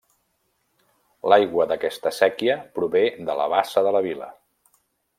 L'aigua d'aquesta séquia prové de la Bassa de la Vila.